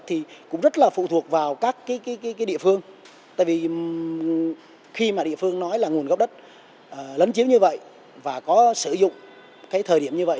trung nói là nguồn gốc đất lấn chiếu như vậy và có sử dụng cái thời điểm như vậy